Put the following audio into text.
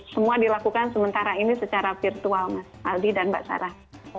semua dilakukan sementara ini secara virtual mas aldi dan mbak sarah